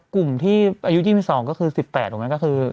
กลุ่มที่อายุ๒๒ก็คือ๑๘ตรงนั้นก็คือ